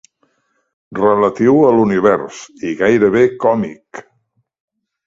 Relatiu a l'univers i gairebé còmic.